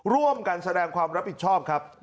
ร่วมกันแสดงความรับผิดชอบครับ